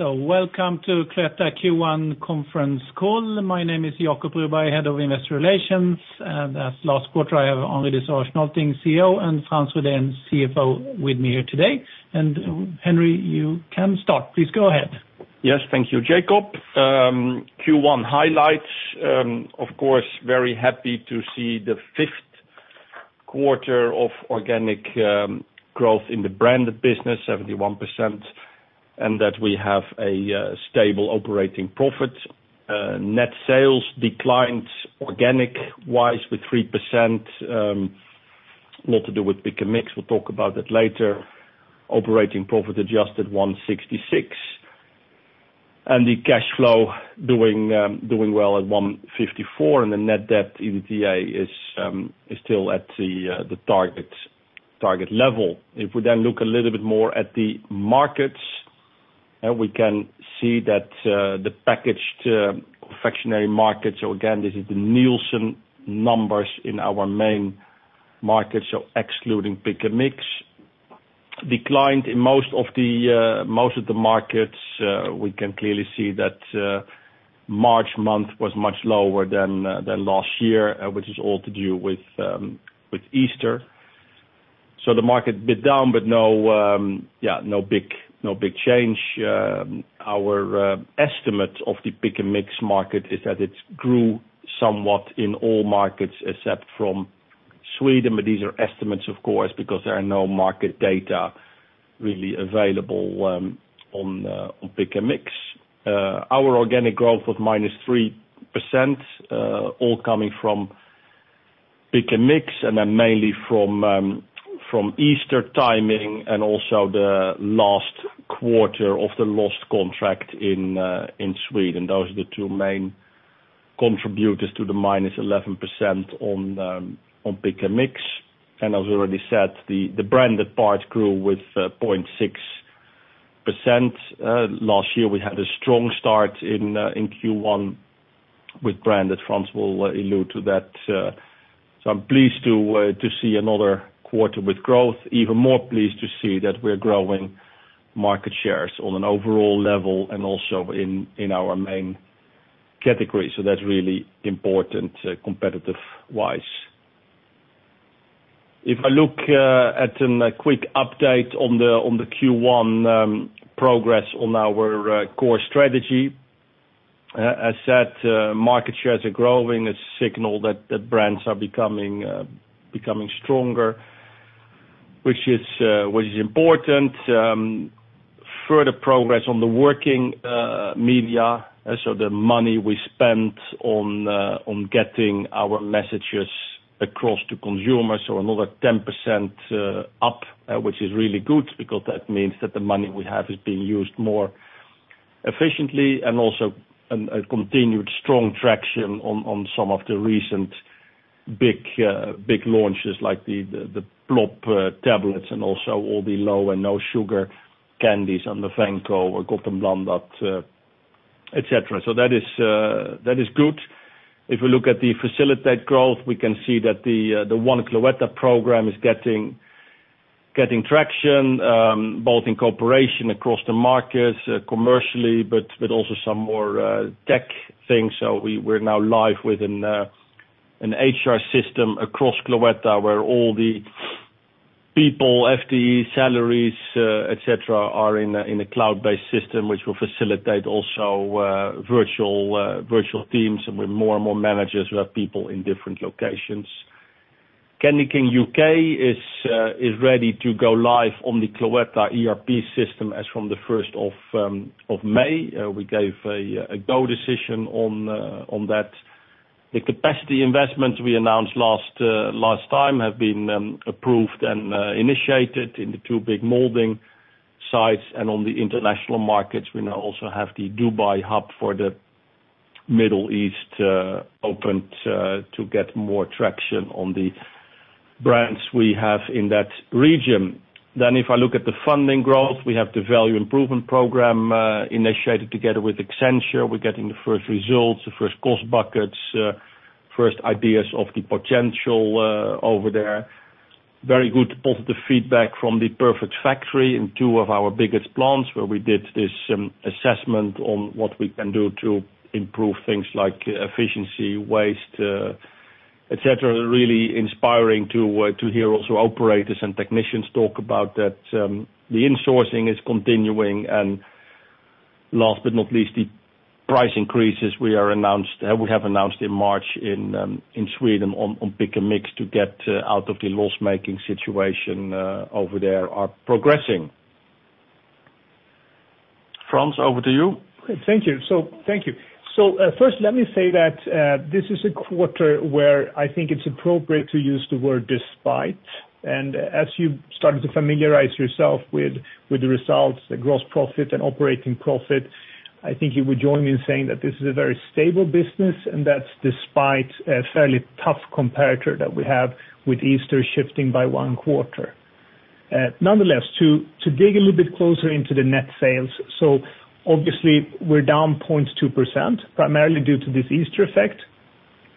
Welcome to Cloetta Q1 Conference call. My name is Jacob Broberg, Head of Investor Relations. As last quarter, I have Henri de Sauvage Nolting, CEO, and Frans Rydén, CFO, with me here today. Henry, you can start. Please go ahead. Yes, thank you, Jacob. Q1 highlights. Of course, very happy to see the fifth quarter of organic growth in the branded business, 71%, and that we have a stable operating profit. Net sales declined organic-wise with 3%, not to do with pick and mix. We'll talk about that later. Operating profit adjusted 166. And the cash flow doing well at 154. And the net debt EBITDA is still at the target level. If we then look a little bit more at the markets, we can see that the packaged confectionery markets, so again, this is the Nielsen numbers in our main markets, so excluding Pick & Mix, declined in most of the markets. We can clearly see that March month was much lower than last year, which is all to do with Easter. So the market was down, but no big change. Our estimate of the pick and mix market is that it grew somewhat in all markets except from Sweden, but these are estimates, of course, because there are no market data really available on pick and mix. Our organic growth was minus 3%, all coming from pick and mix, and then mainly from Easter timing and also the last quarter of the lost contract in Sweden. Those are the two main contributors to the minus 11% on pick and mix, and as I already said, the branded part grew with 0.6%. Last year, we had a strong start in Q1 with branded. Frans will allude to that, so I'm pleased to see another quarter with growth. Even more pleased to see that we're growing market shares on an overall level and also in our main category, so that's really important competitive-wise. If I look at a quick update on the Q1 progress on our core strategy, as said, market shares are growing. It's a signal that brands are becoming stronger, which is important. Further progress on the working media, so the money we spend on getting our messages across to consumers. So another 10% up, which is really good because that means that the money we have is being used more efficiently and also a continued strong traction on some of the recent big launches like the Plopp tablets and also all the low and no sugar candies on the Venco or Gott & Blandat, etc. So that is good. If we look at the facilitated growth, we can see that the One Cloetta program is getting traction both in cooperation across the markets commercially, but also some more tech things. We're now live with an HR system across Cloetta where all the people, FTE, salaries, etc., are in a cloud-based system, which will facilitate also virtual teams. With more and more managers, we have people in different locations. CandyKing U.K. is ready to go live on the Cloetta ERP system as from the 1st of May. We gave a go decision on that. The capacity investments we announced last time have been approved and initiated in the two big molding sites and on the international markets. We now also have the Dubai hub for the Middle East opened to get more traction on the brands we have in that region. If I look at the funding growth, we have the value improvement program initiated together with Accenture. We're getting the first results, the first cost buckets, first ideas of the potential over there. Very good positive feedback from the Perfect Factory in two of our biggest plants where we did this assessment on what we can do to improve things like efficiency, waste, etc. Really inspiring to hear also operators and technicians talk about that the insourcing is continuing, and last but not least, the price increases we have announced in March in Sweden on Pick & Mix to get out of the loss-making situation over there are progressing. Frans, over to you. Thank you. So thank you. So first, let me say that this is a quarter where I think it's appropriate to use the word despite. And as you started to familiarize yourself with the results, the gross profit and operating profit, I think you would join me in saying that this is a very stable business, and that's despite a fairly tough comparability that we have with Easter shifting by one quarter. Nonetheless, to dig a little bit closer into the net sales, so obviously, we're down 0.2%, primarily due to this Easter effect.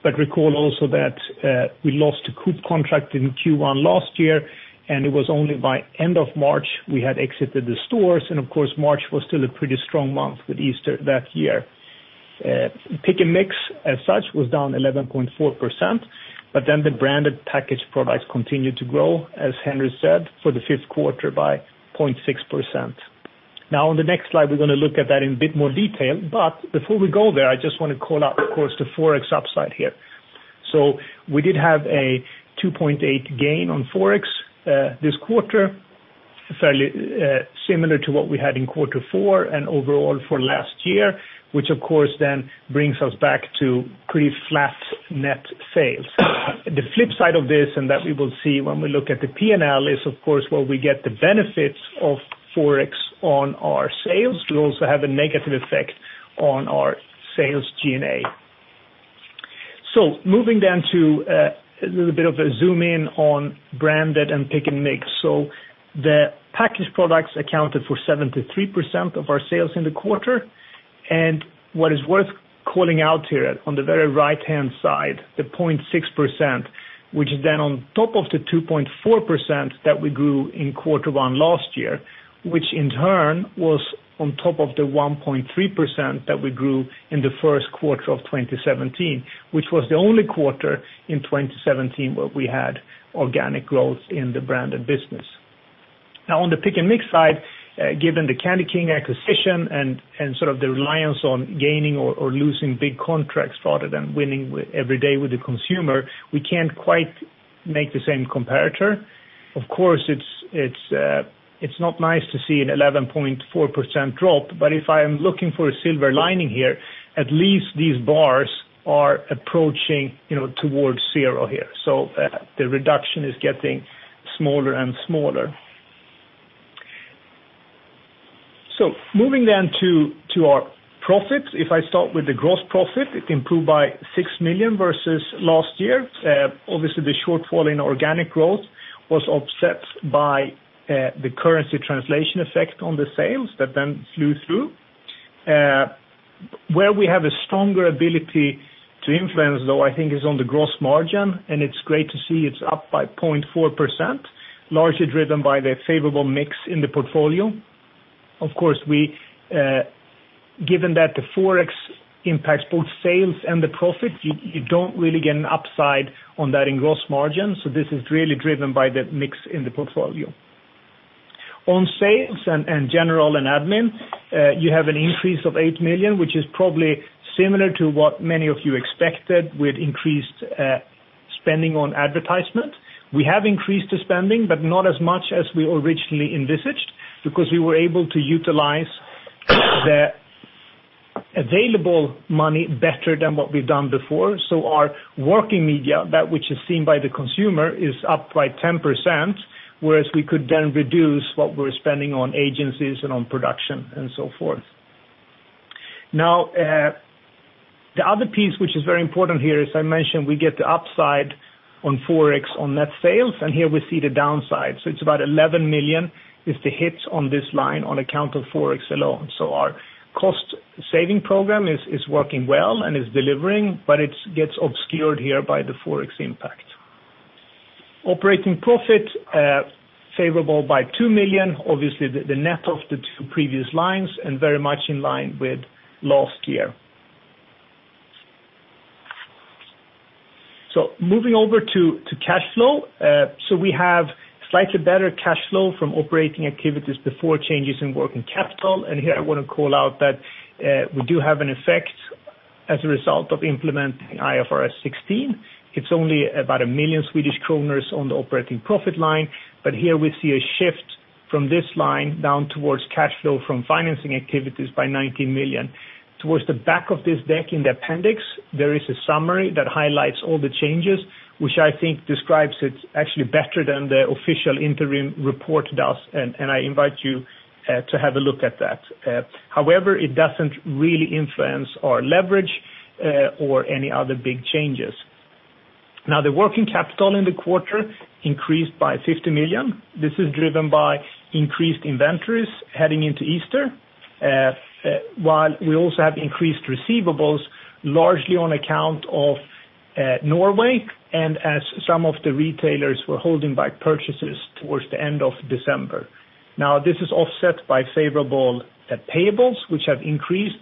But recall also that we lost a Coop contract in Q1 last year, and it was only by end of March we had exited the stores. And of course, March was still a pretty strong month with Easter that year. Pick & Mix, as such, was down 11.4%. But then the branded packaged products continued to grow, as Henri said, for the fifth quarter by 0.6%. Now, on the next slide, we're going to look at that in a bit more detail. Before we go there, I just want to call out, of course, the Forex upside here. We did have a 2.8 gain on Forex this quarter, fairly similar to what we had in quarter four and overall for last year, which, of course, then brings us back to pretty flat net sales. The flip side of this and that we will see when we look at the P&L is, of course, where we get the benefits of Forex on our sales. We also have a negative effect on our sales G&A. Moving then to a little bit of a zoom-in on branded and Pick & Mix. The packaged products accounted for 73% of our sales in the quarter. And what is worth calling out here on the very right-hand side, the 0.6%, which is then on top of the 2.4% that we grew in quarter one last year, which in turn was on top of the 1.3% that we grew in the first quarter of 2017, which was the only quarter in 2017 where we had organic growth in the branded business. Now, on the pick and mix side, given the CandyKing acquisition and sort of the reliance on gaining or losing big contracts rather than winning every day with the consumer, we can't quite make the same comparator. Of course, it's not nice to see an 11.4% drop, but if I am looking for a silver lining here, at least these bars are approaching toward zero here. So the reduction is getting smaller and smaller. So moving then to our profits, if I start with the gross profit, it improved by 6 million SEK versus last year. Obviously, the shortfall in organic growth was offset by the currency translation effect on the sales that then flowed through. Where we have a stronger ability to influence, though, I think, is on the gross margin, and it's great to see it's up by 0.4%, largely driven by the favorable mix in the portfolio. Of course, given that the Forex impacts both sales and the profit, you don't really get an upside on that in gross margin. So this is really driven by the mix in the portfolio. On sales and general and admin, you have an increase of 8 million, which is probably similar to what many of you expected with increased spending on advertisement. We have increased the spending, but not as much as we originally envisioned because we were able to utilize the available money better than what we've done before. So our working media, that which is seen by the consumer, is up by 10%, whereas we could then reduce what we're spending on agencies and on production and so forth. Now, the other piece which is very important here, as I mentioned, we get the upside on Forex on net sales, and here we see the downside. So it's about 11 million, is the hit on this line on account of Forex alone. So our cost-saving program is working well and is delivering, but it gets obscured here by the Forex impact. Operating profit favorable by 2 million, obviously the net of the two previous lines and very much in line with last year. So moving over to cash flow. We have slightly better cash flow from operating activities before changes in working capital. And here I want to call out that we do have an effect as a result of implementing IFRS 16. It's only about 1 million Swedish kronor on the operating profit line. But here we see a shift from this line down towards cash flow from financing activities by 19 million. Towards the back of this deck in the appendix, there is a summary that highlights all the changes, which I think describes it actually better than the official interim report does. And I invite you to have a look at that. However, it doesn't really influence our leverage or any other big changes. Now, the working capital in the quarter increased by 50 million. This is driven by increased inventories heading into Easter, while we also have increased receivables largely on account of Norway and as some of the retailers were holding back purchases towards the end of December. Now, this is offset by favorable payables, which have increased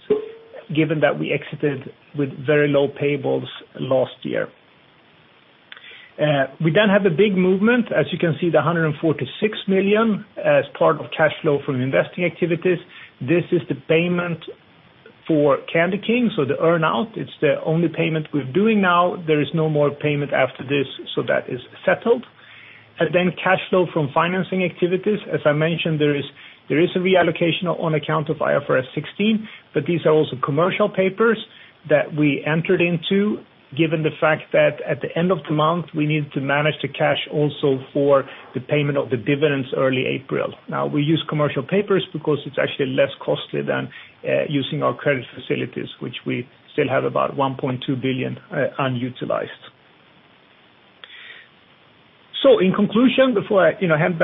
given that we exited with very low payables last year. We then have a big movement, as you can see, the 146 million as part of cash flow from investing activities. This is the payment for CandyKing, so the earn-out. It's the only payment we're doing now. There is no more payment after this, so that is settled. And then cash flow from financing activities. As I mentioned, there is a reallocation on account of IFRS 16, but these are also commercial papers that we entered into given the fact that at the end of the month, we needed to manage the cash also for the payment of the dividends early April. Now, we use commercial papers because it's actually less costly than using our credit facilities, which we still have about 1.2 billion unutilized. So in conclusion, before I head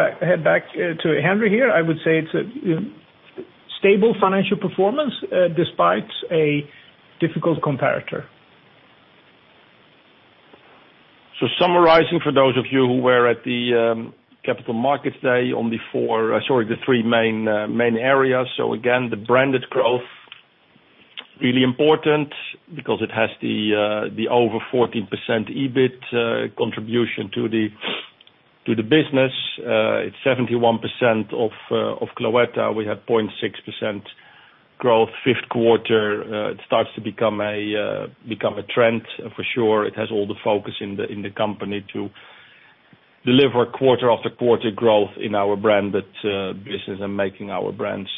back to Henri here, I would say it's a stable financial performance despite a difficult comparator. Summarizing for those of you who were at the Capital Markets Day, on the four, sorry, the three main areas. Again, the branded growth, really important because it has the over 14% EBIT contribution to the business. It's 71% of Cloetta. We had 0.6% growth fifth quarter. It starts to become a trend for sure. It has all the focus in the company to deliver quarter-after-quarter growth in our branded business and making our brands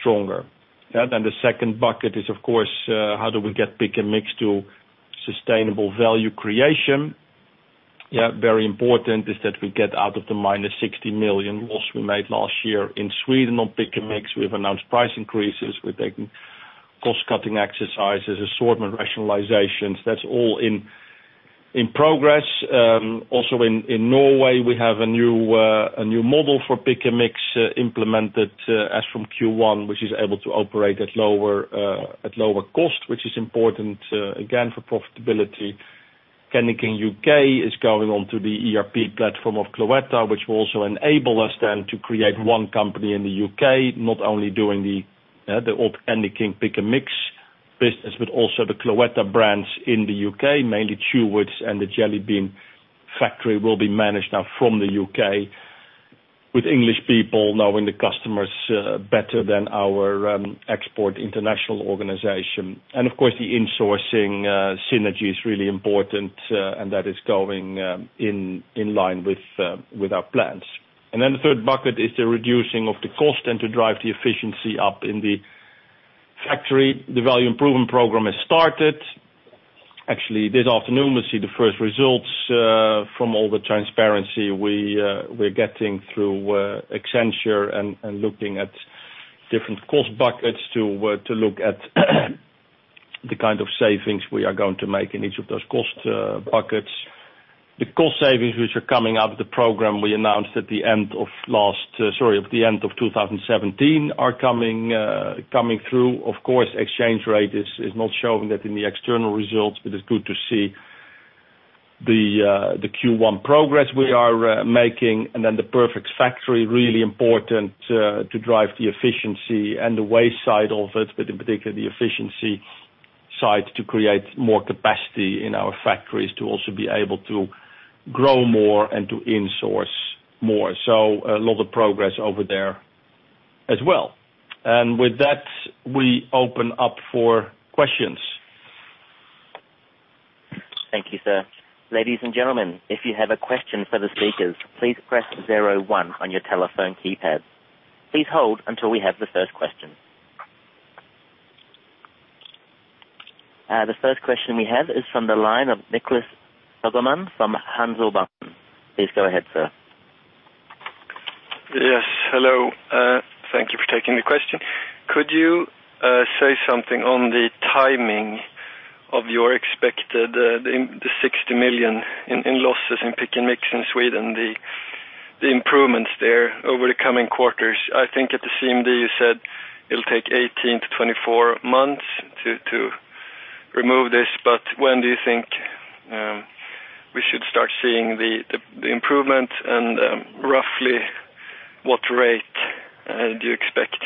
stronger. Then the second bucket is, of course, how do we get Pick & Mix to sustainable value creation. Yeah, very important is that we get out of the -60 million loss we made last year in Sweden on Pick & Mix. We've announced price increases. We're taking cost-cutting exercises, assortment rationalizations. That's all in progress. Also in Norway, we have a new model for pick and mix implemented as from Q1, which is able to operate at lower cost, which is important again for profitability. Candy King U.K. is going on to the ERP platform of Cloetta, which will also enable us then to create one company in the U.K., not only doing the old CandyKing Pick & Mix business, but also the Cloetta brands in the U.K., mainly Chewits and The Jelly Bean Factory will be managed now from the U.K. with English people knowing the customers better than our export international organization. And of course, the insourcing synergy is really important, and that is going in line with our plans. And then the third bucket is the reducing of the cost and to drive the efficiency up in the factory. The Value Improvement Program has started. Actually, this afternoon, we'll see the first results from all the transparency we're getting through Accenture and looking at different cost buckets to look at the kind of savings we are going to make in each of those cost buckets. The cost savings which are coming out of the program we announced at the end of last, sorry, of the end of 2017 are coming through. Of course, exchange rate is not showing that in the external results, but it's good to see the Q1 progress we are making. And then the Perfect Factory, really important to drive the efficiency and the waste side of it, but in particular, the efficiency side to create more capacity in our factories to also be able to grow more and to insource more. So a lot of progress over there as well. And with that, we open up for questions. Thank you, sir. Ladies and gentlemen, if you have a question for the speakers, please press 01 on your telephone keypad. Please hold until we have the first question. The first question we have is from the line of Nicklas Skogman from Handelsbanken. Please go ahead, sir. Yes, hello. Thank you for taking the question. Could you say something on the timing of your expected 60 million in losses in pick and mix in Sweden, the improvements there over the coming quarters? I think at the CMD, you said it'll take 18 to 24 months to remove this. But when do you think we should start seeing the improvement and roughly what rate do you expect?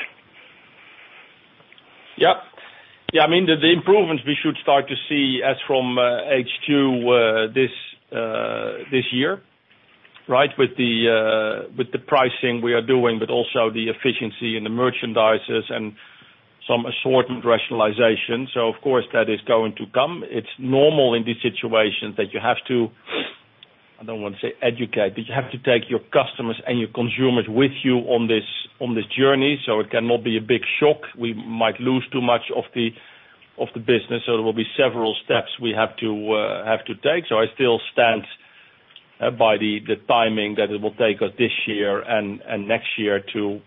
Yeah. Yeah, I mean, the improvements we should start to see as from H2 this year, right, with the pricing we are doing, but also the efficiency in the merchandising and some assortment rationalization. So of course, that is going to come. It's normal in these situations that you have to, I don't want to say educate, but you have to take your customers and your consumers with you on this journey. So it cannot be a big shock. We might lose too much of the business. So there will be several steps we have to take. So I still stand by the timing that it will take us this year and next year to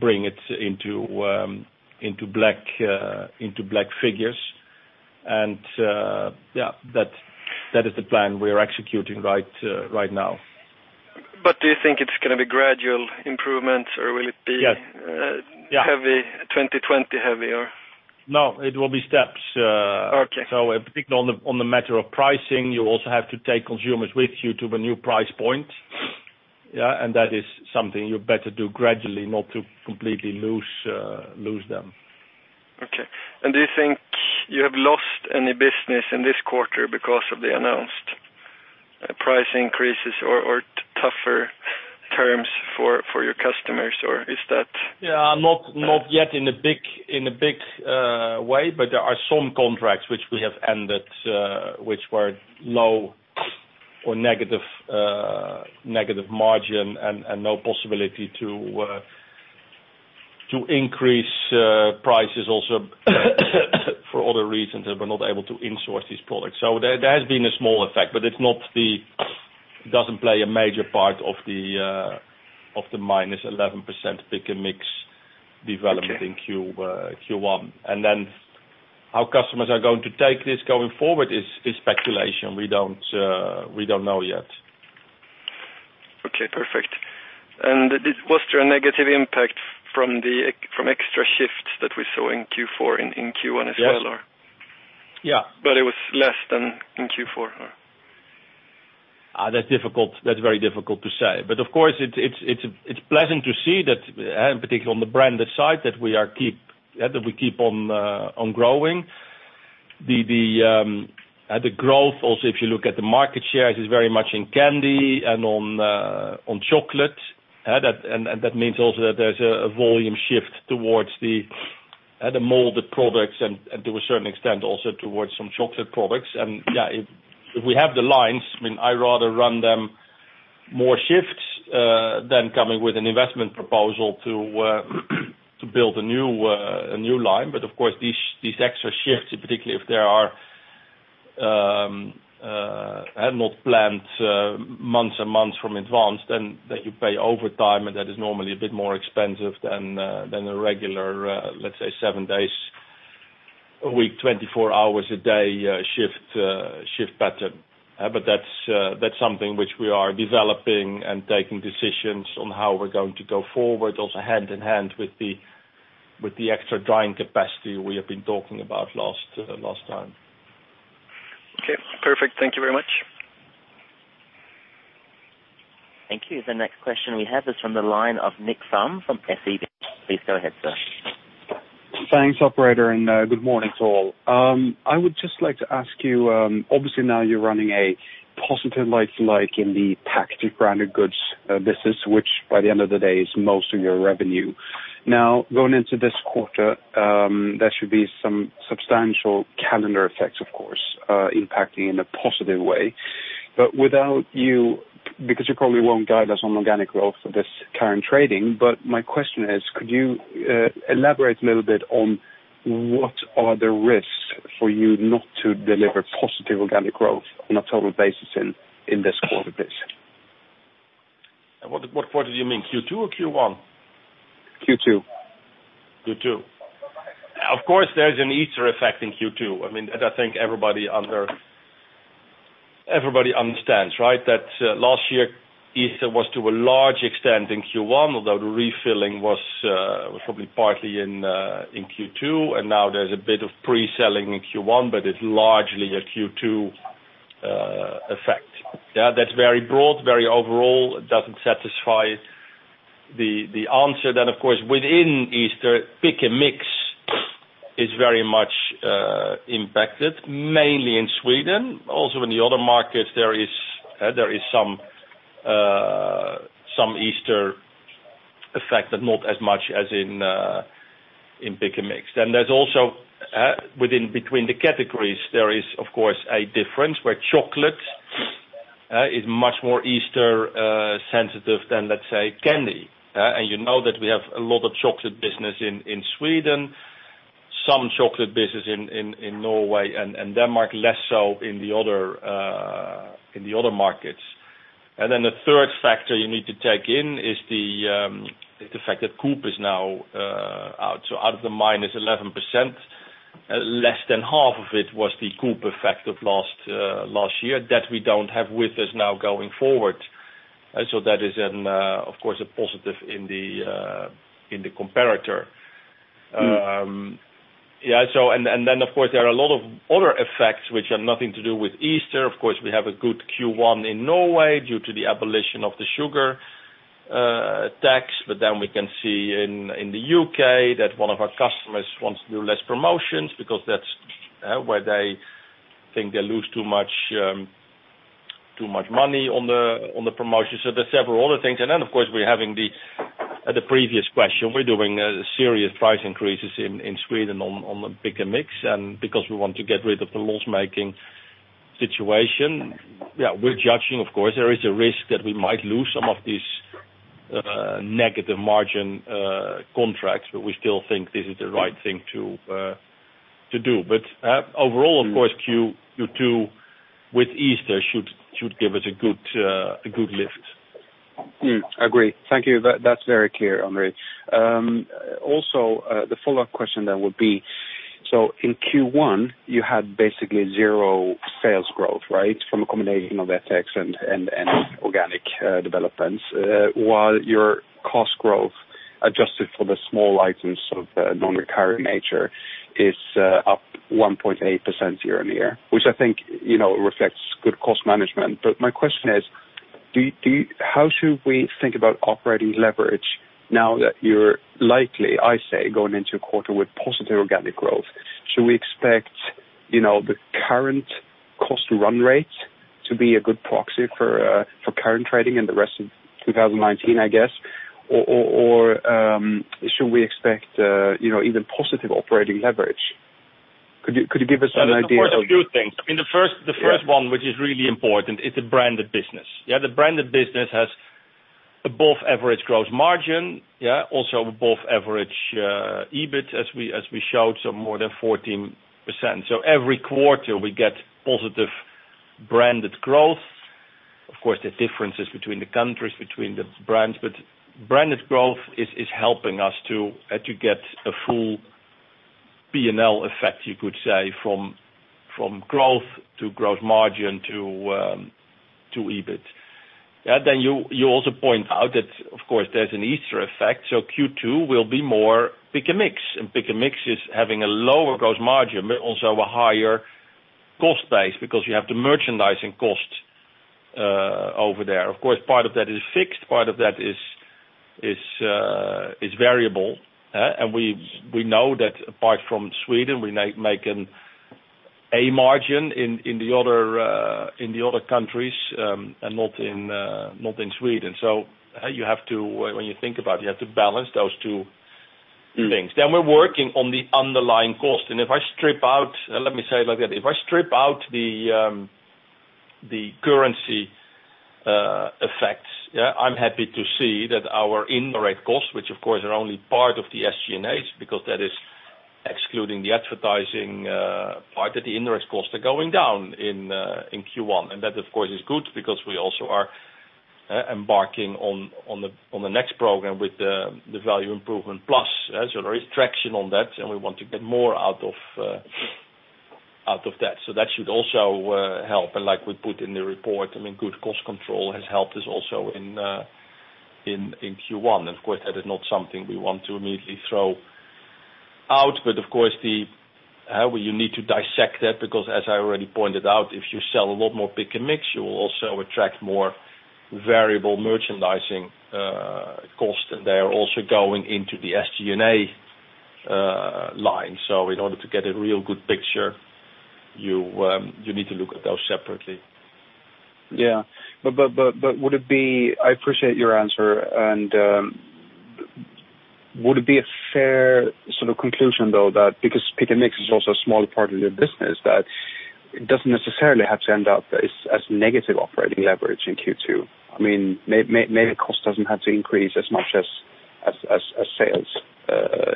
bring it into black figures. Yeah, that is the plan we are executing right now. But do you think it's going to be gradual improvements, or will it be 2020 heavier? No, it will be steps. So on the matter of pricing, you also have to take consumers with you to a new price point. Yeah, and that is something you better do gradually, not to completely lose them. Okay. And do you think you have lost any business in this quarter because of the announced price increases or tougher terms for your customers, or is that? Yeah, not yet in a big way, but there are some contracts which we have ended which were low or negative margin and no possibility to increase prices also for other reasons. We're not able to insource these products. So there has been a small effect, but it doesn't play a major part of the minus 11% Pick & Mix development in Q1, and then how customers are going to take this going forward is speculation. We don't know yet. Okay, perfect. And was there a negative impact from extra shifts that we saw in Q4 in Q1 as well, or? Yeah. But it was less than in Q4, or? That's very difficult to say. But of course, it's pleasant to see that, in particular on the branded side, that we keep on growing. The growth, also if you look at the market shares, is very much in candy and on chocolate. And that means also that there's a volume shift towards the molded products and to a certain extent also towards some chocolate products. And yeah, if we have the lines, I mean, I'd rather run them more shifts than coming with an investment proposal to build a new line. But of course, these extra shifts, particularly if there are not planned months and months in advance, then you pay overtime, and that is normally a bit more expensive than a regular, let's say, seven days a week, 24 hours a day shift pattern. But that's something which we are developing and taking decisions on how we're going to go forward, also hand in hand with the extra drying capacity we have been talking about last time. Okay, perfect. Thank you very much. Thank you. The next question we have is from the line of Nicklas Fhärm from SEB. Please go ahead, sir. Thanks, operator, and good morning to all. I would just like to ask you, obviously now you're running a positive like in the packaged branded goods business, which by the end of the day is most of your revenue. Now, going into this quarter, there should be some substantial calendar effects, of course, impacting in a positive way. But without you, because you probably won't guide us on organic growth for this current trading, but my question is, could you elaborate a little bit on what are the risks for you not to deliver positive organic growth on a total basis in this quarter? What quarter do you mean? Q2 or Q1? Q2. Of course, there's an Easter effect in Q2. I mean, I think everybody understands, right, that last year Easter was to a large extent in Q1, although the refilling was probably partly in Q2. And now there's a bit of pre-selling in Q1, but it's largely a Q2 effect. Yeah, that's very broad, very overall. It doesn't satisfy the answer. Then, of course, within Easter, pick and mix is very much impacted, mainly in Sweden. Also, in the other markets, there is some Easter effect, but not as much as in Pick & Mix. Then there's also within between the categories, there is, of course, a difference where chocolate is much more Easter sensitive than, let's say, candy. And you know that we have a lot of chocolate business in Sweden, some chocolate business in Norway and Denmark, less so in the other markets. And then the third factor you need to take in is the fact that Coop is now out. So out of the minus 11%, less than half of it was the Coop effect of last year that we don't have with us now going forward. So that is, of course, a positive in the comparator. Yeah. And then, of course, there are a lot of other effects which have nothing to do with Easter. Of course, we have a good Q1 in Norway due to the abolition of the sugar tax, but then we can see in the U.K. that one of our customers wants to do less promotions because that's where they think they lose too much money on the promotion. So there's several other things. And then, of course, we're having the previous question. We're doing serious price increases in Sweden on the Pick & Mix. Because we want to get rid of the loss-making situation, yeah, we're adjusting, of course, there is a risk that we might lose some of these negative margin contracts, but we still think this is the right thing to do. Overall, of course, Q2 with Easter should give us a good lift. Agree. Thank you. That's very clear, Henri. Also, the follow-up question then would be, so in Q1, you had basically zero sales growth, right, from a combination of FX and organic developments, while your cost growth adjusted for the small items of non-recurring nature is up 1.8% year on year, which I think reflects good cost management. But my question is, how should we think about operating leverage now that you're likely, I say, going into a quarter with positive organic growth? Should we expect the current cost run rate to be a good proxy for current trading in the rest of 2019, I guess? Or should we expect even positive operating leverage? Could you give us an idea? Well, there are quite a few things. I mean, the first one, which is really important, is the branded business. Yeah, the branded business has above-average gross margin, yeah, also above-average EBIT, as we showed, so more than 14%. So every quarter, we get positive branded growth. Of course, there are differences between the countries, between the brands, but branded growth is helping us to get a full P&L effect, you could say, from growth to gross margin to EBIT. Yeah, then you also point out that, of course, there's an Easter effect. So Q2 will be more pick and mix. And Pick & Mix is having a lower gross margin, but also a higher cost base because you have the merchandising cost over there. Of course, part of that is fixed, part of that is variable. And we know that apart from Sweden, we make an A margin in the other countries and not in Sweden. So when you think about it, you have to balance those two things. Then we're working on the underlying cost. And if I strip out, let me say it like that, if I strip out the currency effects, yeah, I'm happy to see that our indirect costs, which of course are only part of the SG&A, because that is excluding the advertising part of the indirect costs, are going down in Q1. And that, of course, is good because we also are embarking on the next program with the Value Improvement Plus. So there is traction on that, and we want to get more out of that. So that should also help. And like we put in the report, I mean, good cost control has helped us also in Q1. Of course, that is not something we want to immediately throw out. Of course, you need to dissect that because, as I already pointed out, if you sell a lot more pick and mix, you will also attract more variable merchandising costs. They are also going into the SG&A line. In order to get a real good picture, you need to look at those separately. Yeah. But would it be, I appreciate your answer. And would it be a fair sort of conclusion, though, that because pick and mix is also a smaller part of your business, that it doesn't necessarily have to end up as negative operating leverage in Q2? I mean, maybe cost doesn't have to increase as much as sales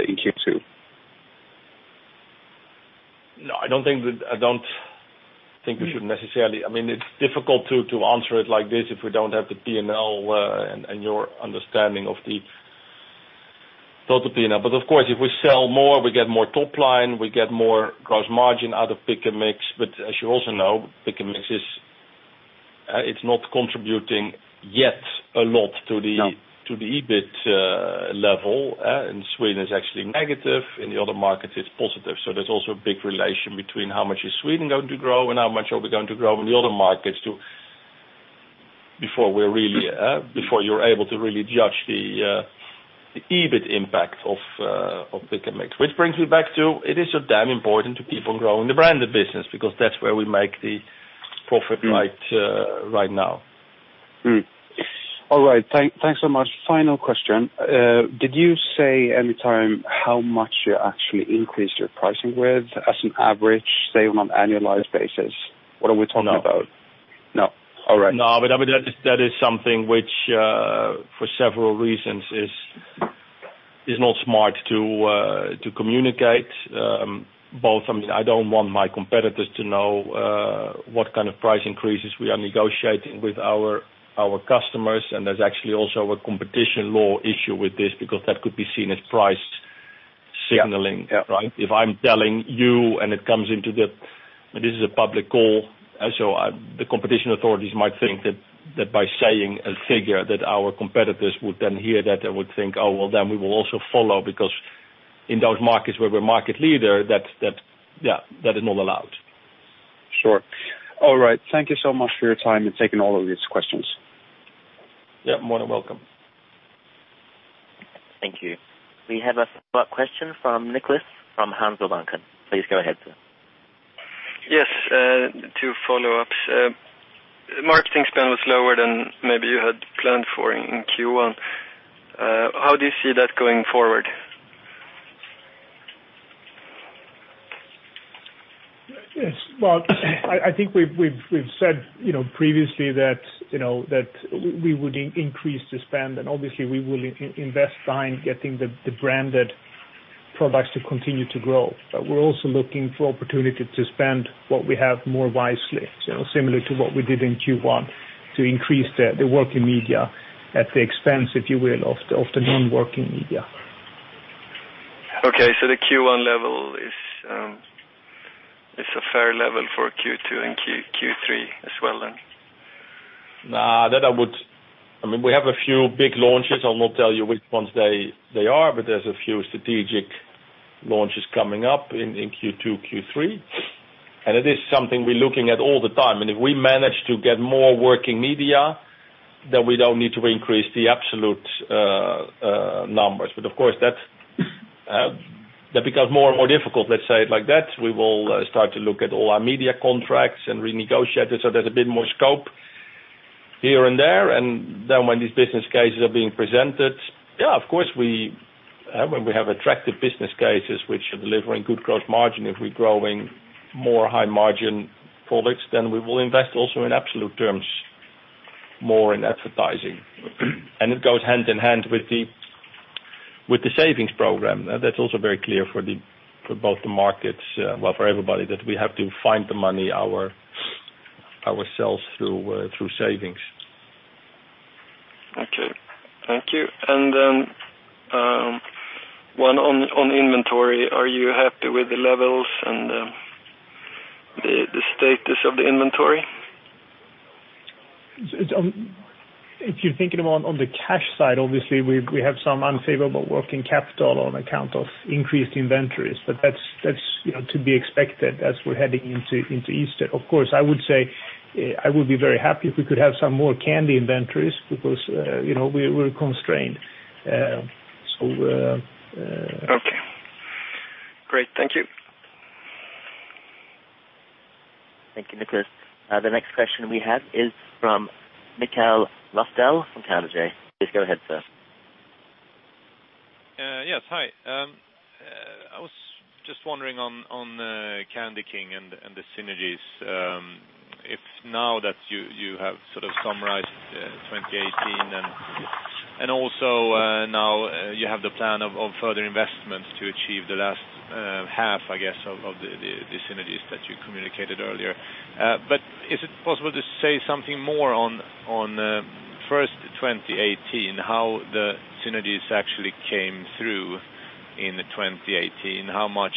in Q2. No, I don't think we should necessarily, I mean, it's difficult to answer it like this if we don't have the P&L and your understanding of the total P&L, but of course, if we sell more, we get more top line, we get more gross margin out of pick and mix, but as you also know, pick and mix, it's not contributing yet a lot to the EBIT level, and Sweden is actually negative, in the other markets, it's positive, so there's also a big relation between how much is Sweden going to grow and how much are we going to grow in the other markets before you're able to really judge the EBIT impact of pick and mix, which brings me back to it is so damn important to keep on growing the branded business because that's where we make the profit right now. All right. Thanks so much. Final question. Did you say anytime how much you actually increased your pricing with as an average, say, on an annualized basis? What are we talking about? No. No. All right. No, but that is something which for several reasons is not smart to communicate. Both, I mean, I don't want my competitors to know what kind of price increases we are negotiating with our customers. And there's actually also a competition law issue with this because that could be seen as price signaling, right? If I'm telling you and it comes into the—this is a public call. So the competition authorities might think that by saying a figure that our competitors would then hear that, they would think, "Oh, well, then we will also follow," because in those markets where we're market leader, yeah, that is not allowed. Sure. All right. Thank you so much for your time and taking all of these questions. Yeah, more than welcome. Thank you. We have a follow-up question from Nicklas from Handelsbanken. Please go ahead, sir. Yes, two follow-ups. Marketing spend was lower than maybe you had planned for in Q1. How do you see that going forward? Yes. Well, I think we've said previously that we would increase the spend. And obviously, we will invest time getting the branded products to continue to grow. But we're also looking for opportunity to spend what we have more wisely, similar to what we did in Q1, to increase the working media at the expense, if you will, of the non-working media. Okay. So the Q1 level is a fair level for Q2 and Q3 as well, then? No, that I would, I mean, we have a few big launches. I'll not tell you which ones they are, but there's a few strategic launches coming up in Q2, Q3. And it is something we're looking at all the time. And if we manage to get more working media, then we don't need to increase the absolute numbers. But of course, that becomes more and more difficult. Let's say it like that. We will start to look at all our media contracts and renegotiate it. So there's a bit more scope here and there. And then when these business cases are being presented, yeah, of course, when we have attractive business cases which are delivering good gross margin, if we're growing more high-margin products, then we will invest also in absolute terms more in advertising. And it goes hand in hand with the savings program. That's also very clear for both the markets, well, for everybody, that we have to find the money, our sales through savings. Okay. Thank you. And then one on inventory. Are you happy with the levels and the status of the inventory? If you're thinking about on the cash side, obviously, we have some unfavorable working capital on account of increased inventories, but that's to be expected as we're heading into Easter. Of course, I would say I would be very happy if we could have some more candy inventories because we're constrained. So. Okay. Great. Thank you. Thank you, Nicklas. The next question we have is from Mikael Laséen from Carnegie. Please go ahead, sir. Yes. Hi. I was just wondering on CandyKing and the synergies, if now that you have sort of summarized 2018 and also now you have the plan of further investments to achieve the last half, I guess, of the synergies that you communicated earlier. But is it possible to say something more on first 2018, how the synergies actually came through in 2018? How much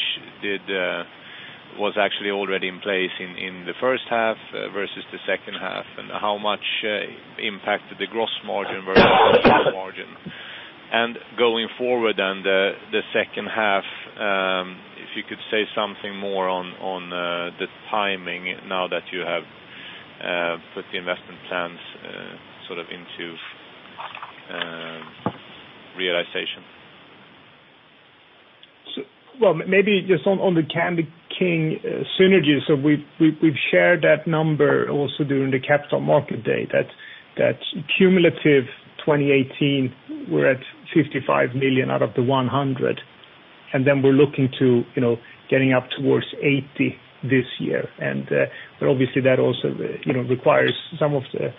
was actually already in place in the first half versus the second half? And how much impacted the gross margin versus the top margin? And going forward, then the second half, if you could say something more on the timing now that you have put the investment plans sort of into realization. Maybe just on the Candy King synergies, so we've shared that number also during the Capital Markets Day that cumulative 2018, we're at 55 million out of the 100 million. Then we're looking to getting up towards 80 million this year. Obviously, that also requires some of the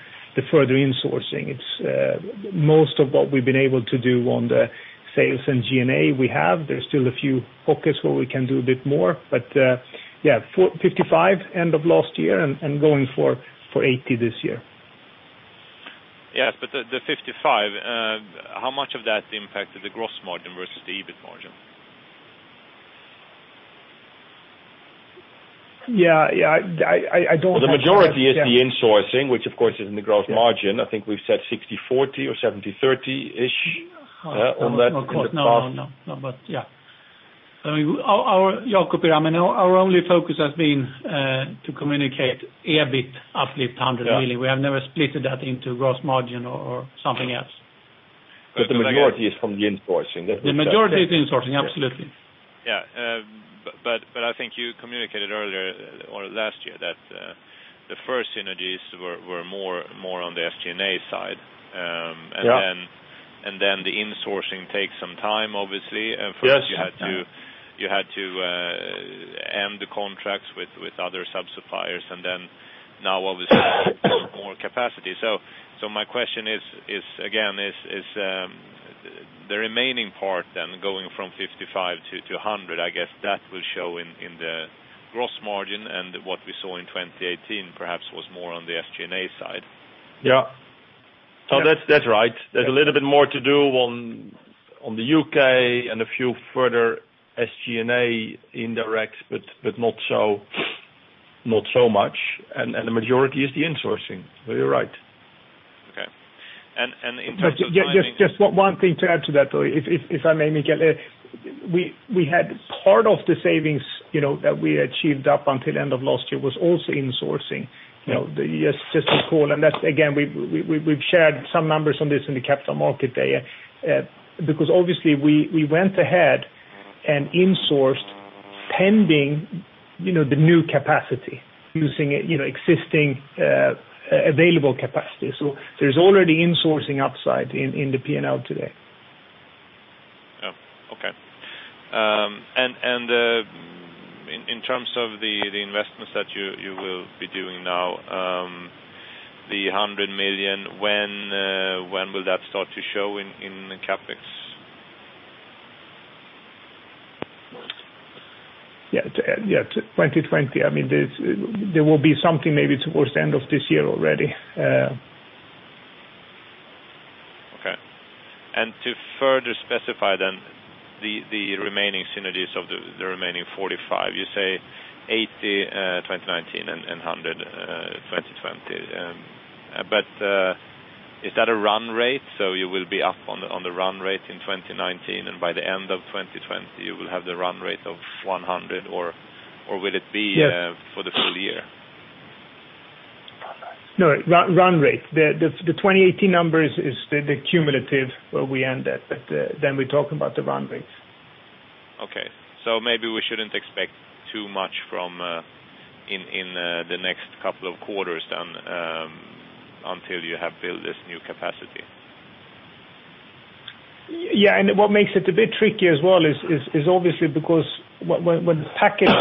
further insourcing. It's most of what we've been able to do on the sales and G&A we have. There's still a few pockets where we can do a bit more. Yeah, 55 million end of last year and going for 80 million this year. Yes. But the 55, how much of that impacted the gross margin versus the EBIT margin? Yeah. Yeah. I don't. The majority is the insourcing, which, of course, is in the gross margin. I think we've said 60/40 or 70/30-ish on that path. No, But yeah. I mean, you're copying. I mean, our only focus has been to communicate EBIT uplift 100 million. We have never split that into gross margin or something else. But the majority is from the insourcing. The majority is insourcing. Absolutely. Yeah. But I think you communicated earlier or last year that the first synergies were more on the SG&A side. And then the insourcing takes some time, obviously. And first, you had to end the contracts with other subsuppliers. And then now, obviously, more capacity. So my question is, again, is the remaining part then going from 55 to 100. I guess that will show in the gross margin and what we saw in 2018 perhaps was more on the SG&A side. Yeah. No, that's right. There's a little bit more to do on the U.K. and a few further SG&A indirects, but not so much, and the majority is the insourcing. So you're right. Okay and in terms of. Just one thing to add to that, though, if I may, Mikael, we had part of the savings that we achieved up until end of last year was also insourcing. Just a call. And again, we've shared some numbers on this in the Capital Markets Day because obviously, we went ahead and insourced pending the new capacity using existing available capacity. So there's already insourcing upside in the P&L today. Yeah. Okay, and in terms of the investments that you will be doing now, the 100 million, when will that start to show in CapEx? Yeah. 2020. I mean, there will be something maybe towards the end of this year already. Okay. And to further specify then the remaining synergies of the remaining 45, you say 80, 2019, and 100, 2020. But is that a run rate? So you will be up on the run rate in 2019, and by the end of 2020, you will have the run rate of 100, or will it be for the full year? No. Run rate. The 2018 number is the cumulative where we end at, but then we're talking about the run rates. Okay, so maybe we shouldn't expect too much in the next couple of quarters then until you have built this new capacity. Yeah, and what makes it a bit tricky as well is obviously because when packaged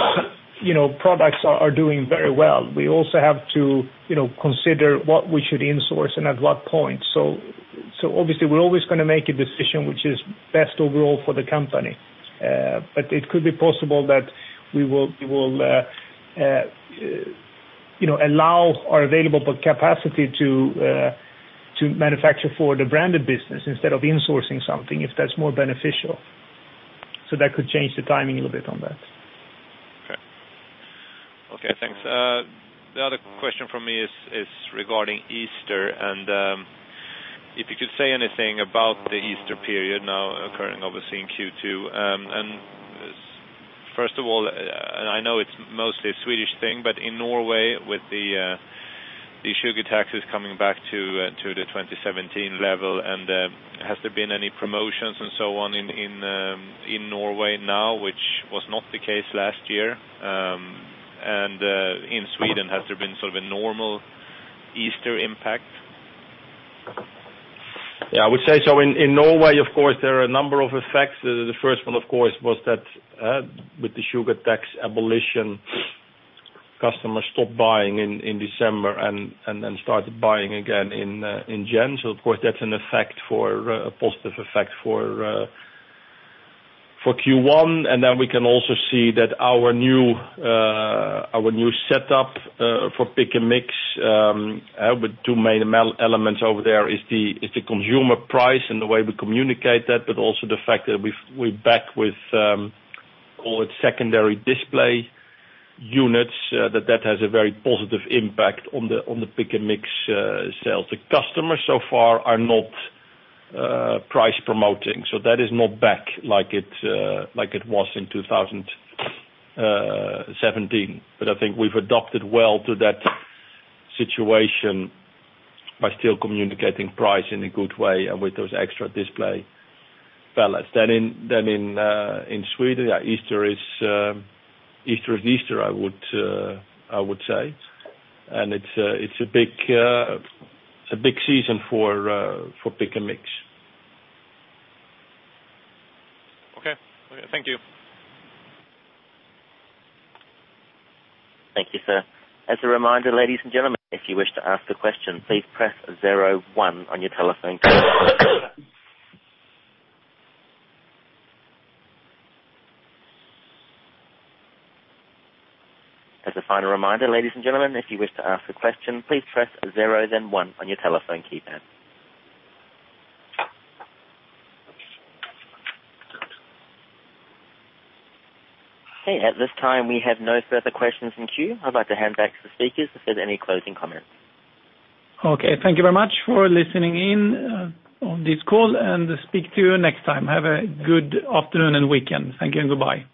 products are doing very well, we also have to consider what we should insource and at what point. So obviously, we're always going to make a decision which is best overall for the company. But it could be possible that we will allow our available capacity to manufacture for the branded business instead of insourcing something if that's more beneficial. So that could change the timing a little bit on that. Okay. Thanks. The other question for me is regarding Easter, and if you could say anything about the Easter period now occurring, obviously, in Q2, and first of all, I know it's mostly a Swedish thing, but in Norway, with the sugar taxes coming back to the 2017 level, has there been any promotions and so on in Norway now, which was not the case last year, and in Sweden, has there been sort of a normal Easter impact? Yeah. I would say so. In Norway, of course, there are a number of effects. The first one, of course, was that with the sugar tax abolition, customers stopped buying in December and then started buying again in January. So of course, that's an effect, a positive effect for Q1. And then we can also see that our new setup for Pick & Mix with two main elements over there is the consumer price and the way we communicate that, but also the fact that we back with, call it, secondary display units, that that has a very positive impact on the pick and mix sales. The customers so far are not price promoting. So that is not back like it was in 2017. But I think we've adopted well to that situation by still communicating price in a good way and with those extra display pallets. Then in Sweden, yeah, Easter is Easter, I would say. And it's a big season for Pick & Mix. Okay. Thank you. Thank you, sir. As a reminder, ladies and gentlemen, if you wish to ask a question, please press 01 on your telephone keypad as a final reminder. Ladies and gentlemen, if you wish to ask a question, please press 0, then 1 on your telephone keypad. Okay. At this time, we have no further questions in queue. I'd like to hand back to the speakers if there's any closing comments. Okay. Thank you very much for listening in on this call, and speak to you next time. Have a good afternoon and weekend. Thank you and goodbye.